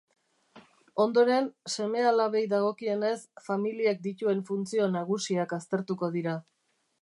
Ondoren, seme-alabei dagokienez familiak dituen funtzio nagusiak aztertuko dira.